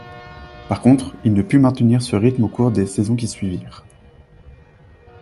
Par contre, il ne put maintenir ce rythme aux cours des saisons qui suivirent.